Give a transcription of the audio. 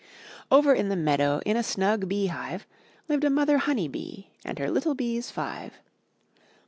Over in the meadow, In a snug bee hive. Lived a mother honey bee And her little bees five.